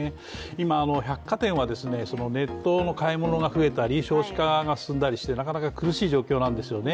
今、百貨店はネットの買い物が増えたり、少子化が進んだりしてなかなか苦しい状況なんですよね。